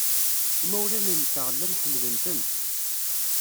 Imawlan-nteɣ llan ḥemmlen-tent.